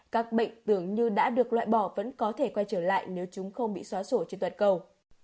các bệnh tưởng như đã được loại bỏ vẫn có thể quay trở lại nếu chúng không bị xóa sổ trên toàn cầu